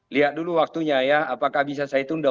lihat dulu waktunya ya apakah bisa saya tunda